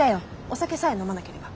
お酒さえ飲まなければ。